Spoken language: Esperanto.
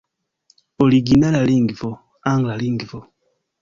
Originala lingvo: angla lingvo.